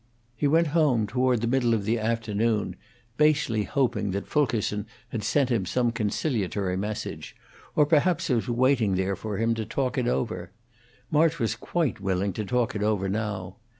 He went home toward the middle of the afternoon, basely hoping that Fulkerson had sent him some conciliatory message, or perhaps was waiting there for him to talk it over; March was quite willing to talk it over now.